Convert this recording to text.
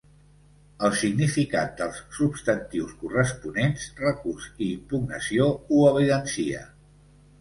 El significat dels substantius corresponents, recurs i impugnació, ho evidencia.